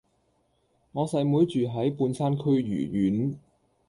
我細妹住喺半山區豫苑